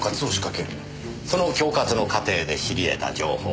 その恐喝の過程で知り得た情報